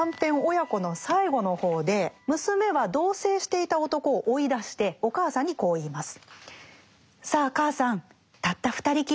「母娘」の最後の方で娘は同棲していた男を追い出してお母さんにこう言います。